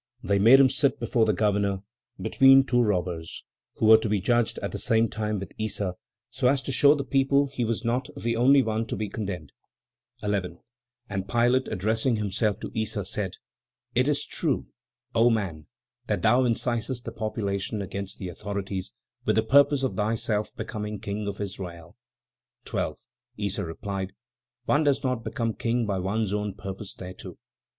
They made him sit before the governor, between two robbers, who were to be judged at the same time with Issa, so as to show the people he was not the only one to be condemned. 11. And Pilate, addressing himself to Issa, said, "Is it true, Oh! Man; that thou incitest the populace against the authorities, with the purpose of thyself becoming King of Israel?" 12. Issa replied, "One does not become king by one's own purpose thereto.